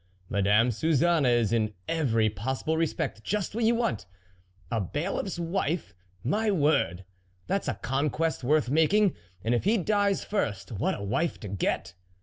Madame Suzanne is in every possible respect just what you want ! A Bailiffs wife ! my word ! that's a conquest worth making ! and if he dies first, what a wife to get